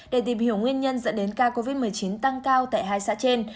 để tìm hiểu nguyên nhân dẫn đến ca covid một mươi chín tăng cao tại hai xã trên